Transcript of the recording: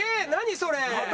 それ！